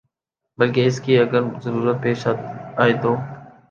بلکہ اس کی اگر ضرورت پیش آئے تو